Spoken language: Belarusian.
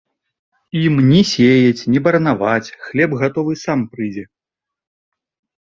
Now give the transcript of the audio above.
Ім ні сеяць, ні баранаваць, хлеб гатовы сам прыйдзе.